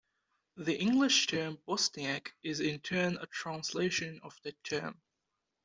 The English term Bosniak is in turn a translation of that term.